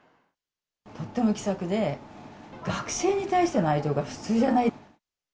とっても気さくで、学生に対しての愛情が普通じゃない。